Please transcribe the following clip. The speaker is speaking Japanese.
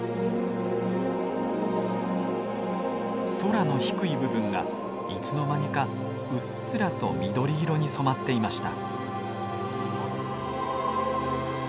空の低い部分がいつの間にかうっすらと緑色に染まっていました。